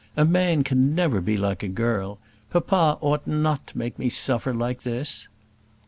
A man can never be like a girl. Papa ought not to make me suffer like this."